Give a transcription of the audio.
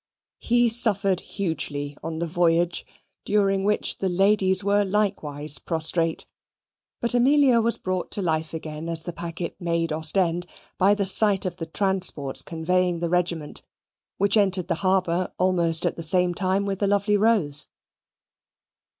He suffered hugely on the voyage, during which the ladies were likewise prostrate; but Amelia was brought to life again as the packet made Ostend, by the sight of the transports conveying her regiment, which entered the harbour almost at the same time with the Lovely Rose.